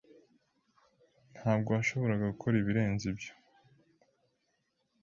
Ntabwo washoboraga gukora ibirenze ibyo.